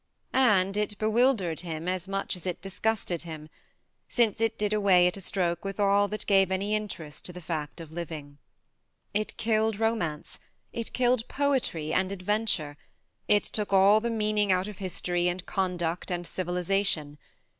And it bewildered him as much as it disgusted him, since it did away at a stroke with all that gave any interest to the fact of living. It killed romance, it killed poetry and adventure, it took all the meaning out of history and conduct and civilization.